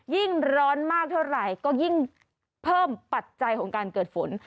ยิ่งร้อนมากเท่าไหร่ก็ยิ่งเพิ่มปัจจัยของการเกิดฝน